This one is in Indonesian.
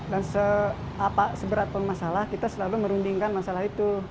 dan seberat pemasalah kita selalu merundingkan masalah itu